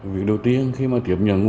việc đầu tiên khi mà kiểm nhận